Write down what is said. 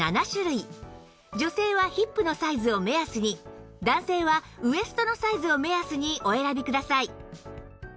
女性はヒップのサイズを目安に男性はウエストのサイズを目安にお選びください